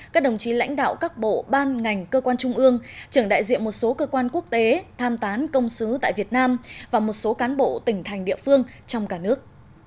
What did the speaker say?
các đồng chí lãnh đạo các bộ ban ngành cơ quan trung ương trưởng đại diện một số cơ quan quốc tế tham tán công sứ tại việt nam và một số cán bộ tỉnh thành địa phương trong cả nước